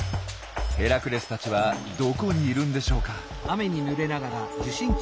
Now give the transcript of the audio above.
ヘラクレスたちはどこにいるんでしょうか？